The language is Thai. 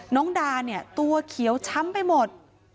น้องดาตัวเขียวช้ำไปหมด